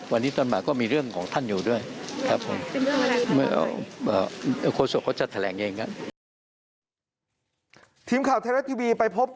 วันนี้ต้นมาก็มีเรื่องของท่านอยู่ด้วยครับผม